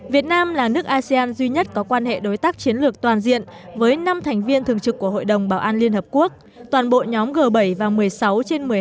việt nam là nước asean duy nhất có quan hệ đối tác chiến lược toàn diện với năm thành viên thường trực của hội đồng bảo an liên hợp quốc toàn bộ nhóm g bảy và một mươi sáu trên một mươi hai